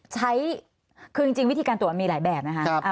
ใช้คือจริงวิธีการตรวจมีหลายแบบนะคะ